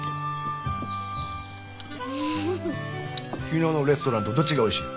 昨日のレストランとどっちがおいしい？